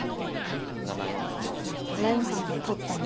蓮さんが撮ったんですか？